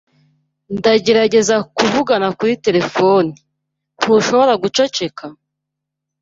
Ndagerageza kuvugana kuri terefone. Ntushobora guceceka?